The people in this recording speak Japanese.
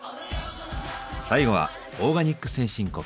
最後はオーガニック先進国